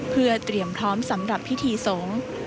เพื่อเตรียมพร้อมสำหรับพิธีสงฆ์